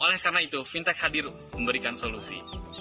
oleh karena itu fintech hadir memberikan solusi